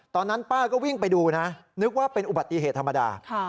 ตอนนั้นป้าก็วิ่งไปดูนะนึกว่าเป็นอุบัติเหตุธรรมดา